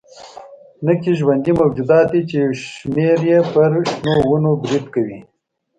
نکي ژوندي موجودات دي چې یو شمېر یې پر شنو ونو برید کوي.